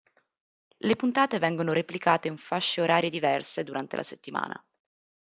Le puntate vengono replicate in fasce orarie diverse durante la settimana.